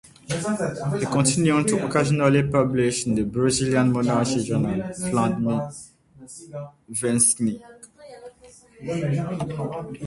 He continued to occasionally publish in the Brazilian monarchist journal "Vladimirsky Vestnik".